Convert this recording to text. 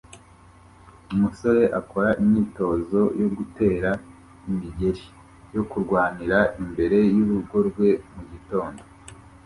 Umusore akora imyitozo yo gutera imigeri yo kurwanira imbere y'urugo rwe mugitondo